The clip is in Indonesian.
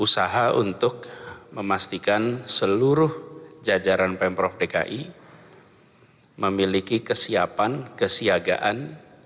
usaha untuk memastikan seluruh jajaran pemprov dki memiliki kesiapan kesiagaan